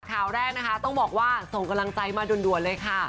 ข่าวแรกนะคะต้องบอกว่าส่งกำลังใจมาด่วนเลยค่ะ